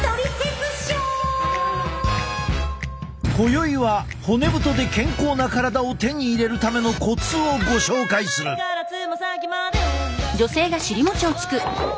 今宵は骨太で健康な体を手に入れるためのコツをご紹介する。